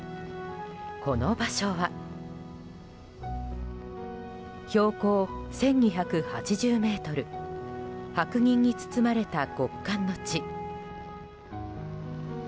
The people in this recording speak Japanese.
この場所は、標高１２８０ｍ白銀に包まれた極寒の地。